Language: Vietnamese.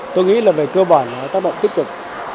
tôi nghĩ là về cơ bản nó tác động tích cực